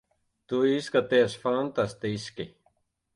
Tu izskaties fantastiski.